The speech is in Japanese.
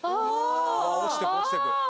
わぁ落ちてく落ちてく。